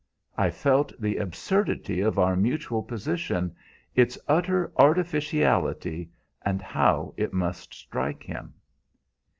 I felt the absurdity of our mutual position, its utter artificiality, and how it must strike him.